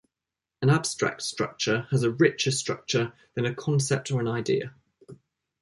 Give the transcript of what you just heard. An abstract structure has a richer structure than a concept or an idea.